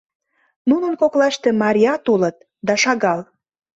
Нунын коклаште марият улыт, да шагал.